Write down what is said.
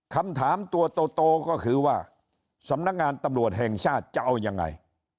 คำถามตัวโตก็คือว่าสำนักงานตำรวจแห่งชาติจะเอายังไง